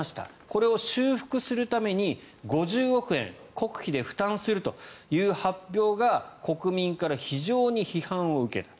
これを修復するために、５０億円国費で負担するという発表が国民から非常に批判を受けた。